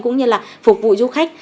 cũng như phục vụ du khách